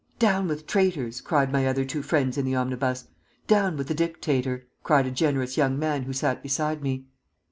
'Down with traitors!' cried my other two friends in the omnibus. 'Down with the dictator!' cried a generous young man who sat beside me.